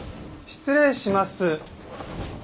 失礼します。